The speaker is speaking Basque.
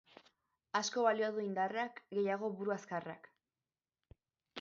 Asko balio du indarrak, gehiago buru azkarrak.